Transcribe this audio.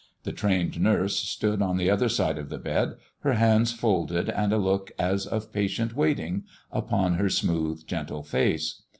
The trained nurse stood on the other side of the bed, her hands folded and a look as of patient waiting upon her smooth, gentle face.